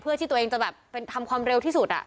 เพื่อที่ตัวเองจะแบบเป็นทำความเร็วที่สุด